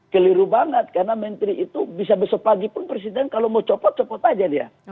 keliru banget karena menteri itu bisa besok pagi pun presiden kalau mau copot copot aja dia